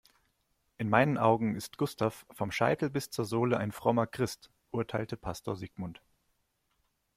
In meinen Augen ist Gustav vom Scheitel bis zur Sohle ein frommer Christ, urteilte Pastor Sigmund.